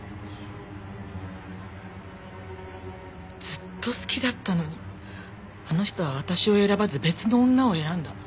ずっと好きだったのにあの人は私を選ばず別の女を選んだ。